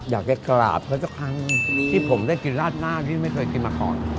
อยากได้กราบเพื่อเจ้าครั้งนี้ที่ผมได้กินราดหน้าที่ไม่เคยกินมาก่อน